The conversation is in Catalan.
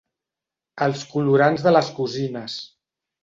Els colorants de les cosines.